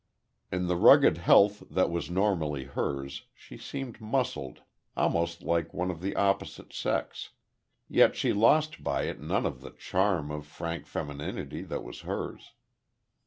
In the rugged health that was normally hers, she seemed muscled almost like one of the opposite sex; yet she lost by it none of the charm of frank femininity that was hers.